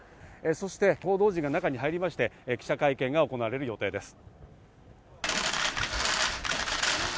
そして報道陣が中に入りまして、記者会見が行われる予定です。